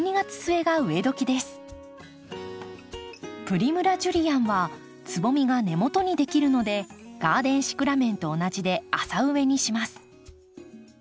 プリムラ・ジュリアンはつぼみが根元にできるのでガーデンシクラメンと同じで浅植えにします。